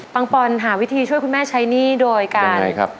ปอนหาวิธีช่วยคุณแม่ใช้หนี้โดยการใช่ครับ